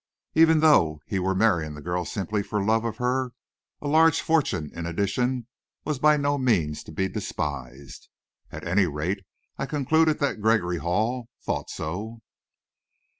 Even though he were marrying the girl simply for love of her, a large fortune in addition was by no means to be despised. At any rate, I concluded that Gregory Hall thought so.